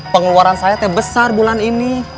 pengeluaran saya te besar bulan ini